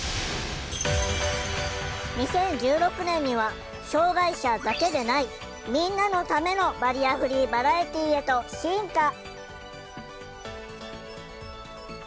２０１６年には障害者だけでない「みんなのためのバリアフリーバラエティー」へと進化。